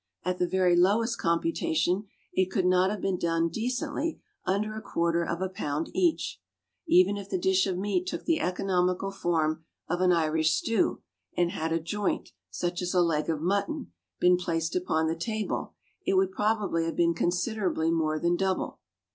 At the very lowest computation, it could not have been decently done under a quarter of a pound each, even if the dish of meat took the economical form of an Irish stew; and had a joint, such as a leg of mutton, been placed upon the table, it would probably have been considerably more than double.